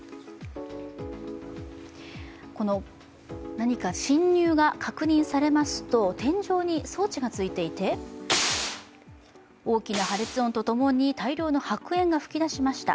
何か侵入が確認されますと天井に装置がついていて大きな破裂音とともに大量の白煙が噴き出しました。